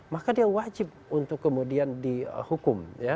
maka dia wajib untuk kemudian dihukum